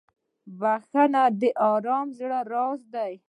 • بښل د ارام زړه راز دی.